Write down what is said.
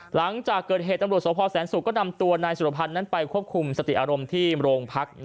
หลังจากเกิดเหตุตำรวจสพแสนสุกก็นำตัวนายสุรพันธ์นั้นไปควบคุมสติอารมณ์ที่โรงพัก